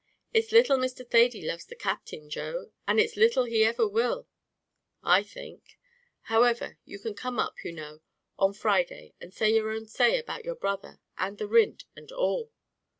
"It's little Mr. Thady loves the Captain, Joe, and it's little he ever will, I think; however, you can come up, you know, on Friday, and say your own say about your brother, and the rint and all."